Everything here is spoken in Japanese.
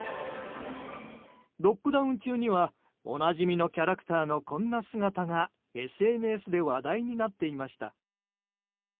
ロックダウン中にはおなじみのキャラクターのこんな姿がＳＮＳで話題になっていました。